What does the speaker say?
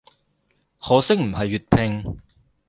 可惜唔係粵拼